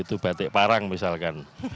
itu batik parang misalkan